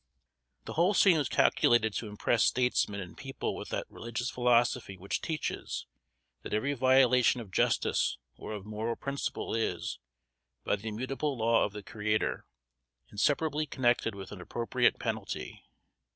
The whole scene was calculated to impress statesmen and people with that religious philosophy which teaches, that every violation of justice or of moral principle, is, by the immutable law of the Creator, inseparably connected with an appropriate penalty.